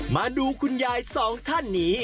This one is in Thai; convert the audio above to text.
มาดูคุณยายสองท่านนี้